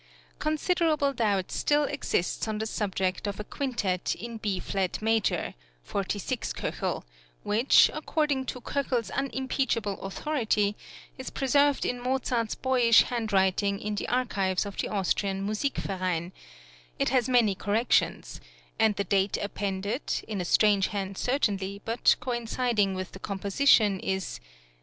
Considerable doubt still exists on the subject of a quintet, in B flat major (46 K.), which, according to Kochel's unimpeachable authority is preserved in Mozart's boyish {QUINTET IN B FLAT MAJOR, AND SERENADE.} (95) hand writing in the archives of the Austrian Musikverein; it has many corrections, and the date appended, in a strange hand certainly, but coinciding with the composition, is "d.